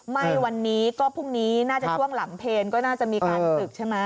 ไม่วันนี้ก็พรุ่งนี้น่าจะช่วงหลังเพลก็น่าจะมีการศึกใช่ไหม